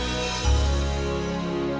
mendingin sekarang kita duduk dulu ya